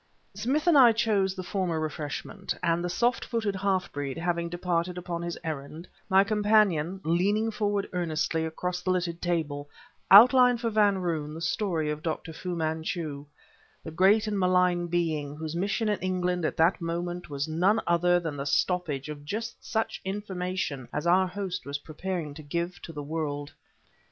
Smith and I chose the former refreshment, and the soft footed half breed having departed upon his errand, my companion, leaning forward earnestly across the littered table, outlined for Van Roon the story of Dr. Fu Manchu, the great and malign being whose mission in England at that moment was none other than the stoppage of just such information as our host was preparing to give to the world.